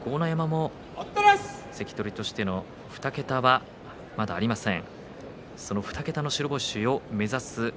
関取としての２桁はまだありません。